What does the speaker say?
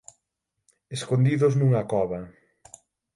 escondidos nunha cova